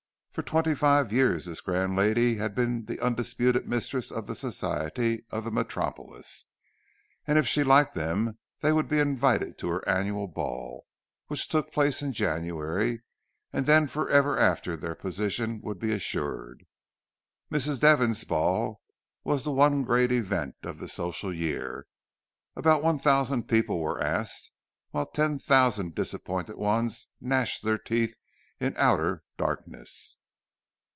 For twenty five years this grand lady had been the undisputed mistress of the Society of the metropolis; and if she liked them, they would be invited to her annual ball, which took place in January, and then for ever after their position would be assured. Mrs. Devon's ball was the one great event of the social year; about one thousand people were asked, while ten thousand disappointed ones gnashed their teeth in outer darkness.